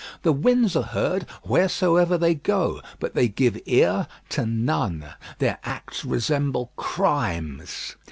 The winds are heard wheresoever they go, but they give ear to none. Their acts resemble crimes.